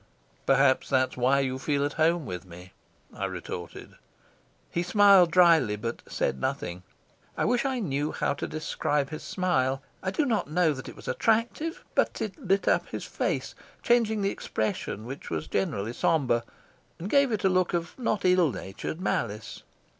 "Perhaps that's why you feel at home with me," I retorted. He smiled dryly, but said nothing. I wish I knew how to describe his smile. I do not know that it was attractive, but it lit up his face, changing the expression, which was generally sombre, and gave it a look of not ill natured malice.